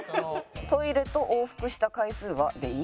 「トイレと往復した回数は？」でいい？